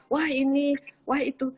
wah ini wah itu